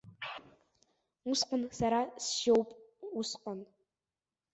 Усҟан сара сжьоуп, усҟан.